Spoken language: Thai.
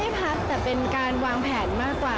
พักแต่เป็นการวางแผนมากกว่า